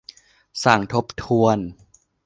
สั่งทบทวน